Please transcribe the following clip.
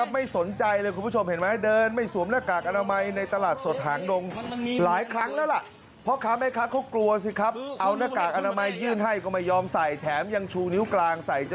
ไม่ใส่เม็ดมันตลอดอย่างนี้